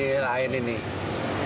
manis juga pahitnya sedikit